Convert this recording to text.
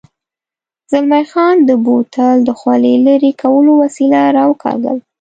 زلمی خان د بوتل د خولې لرې کولو وسیله را وکاږل.